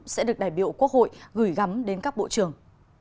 sẽ được đại biểu quốc hội gửi gắm đến các bộ trưởng